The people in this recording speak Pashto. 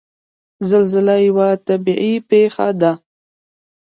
زلزله یوه طبعي پېښه ده.